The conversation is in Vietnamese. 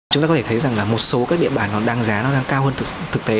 chúng ta có thể thấy rằng là một số các địa bản nó đang giá nó đang cao hơn thực tế